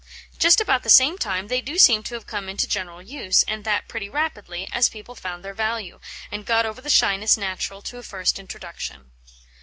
Just about the same time they do seem to have come into general use, and that pretty rapidly, as people found their value, and got over the shyness natural to a first introduction.